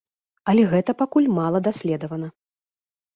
Але гэта пакуль мала даследавана.